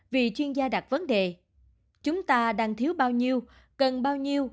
vì chuyên gia đặt vấn đề chúng ta đang thiếu bao nhiêu cần bao nhiêu